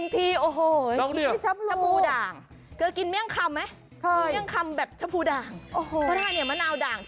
แต่มีตำลึงด่าง